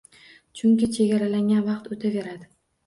Chunki chegaralangan vaqt o’taveradi.